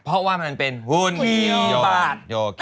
เพราะว่ามันเป็นหุ้นบาท